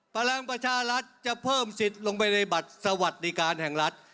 พลังประชารัฐจะเพิ่มสิทธิ์ลงไปในบัตรสวัสดิการแห่งรัฐ